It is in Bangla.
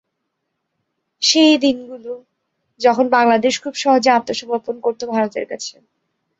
সেই দিন গুলো, যখন বাংলাদেশ খুব সহজেই আত্মসমর্পণ করত ভারতের কাছে।